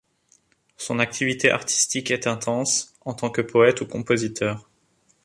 Son activité artistique est intense, en tant que poète ou compositeur.